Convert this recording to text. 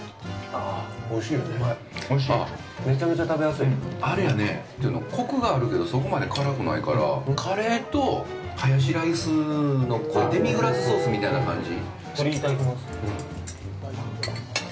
あっ、あれやねぇ、コクがあるけど、そこまで辛くないから、カレーと、ハヤシライスのデミグラスソースみたいな感じ。